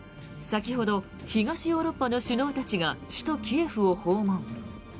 先ほど東ヨーロッパの首脳たちが首都キエフを訪問。